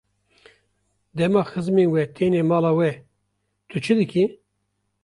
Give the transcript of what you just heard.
Dema xizmên we têne mala we, tu çi dikî?